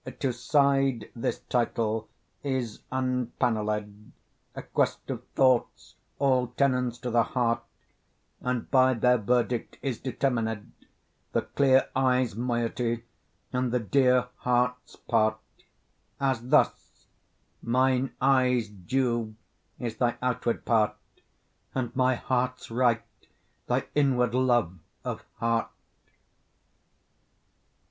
To side this title is impannelled A quest of thoughts, all tenants to the heart; And by their verdict is determined The clear eye's moiety, and the dear heart's part: As thus; mine eye's due is thy outward part, And my heart's right, thy inward love of heart.